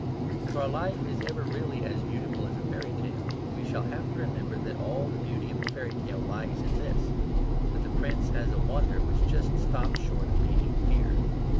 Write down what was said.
If our life is ever really as beautiful as a fairy tale, we shall have to remember that all the beauty of a fairy tale lies in this: that the prince has a wonder which just stops short of being fear.